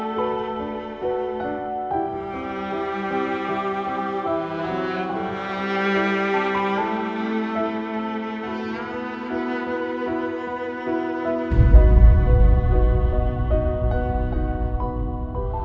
masa kita sudah berjumpa ya itz